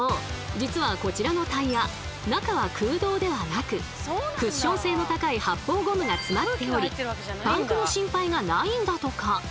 実はこちらのタイヤ中は空洞ではなくクッション性の高い発泡ゴムが詰まっておりパンクの心配がないんだとか。